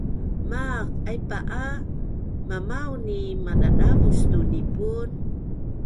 Maaq aipaa mamaun i madadavus tu nipun